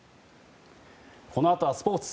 このあとはスポーツ。